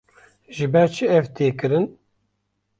Ji ber çi ev tê kirin?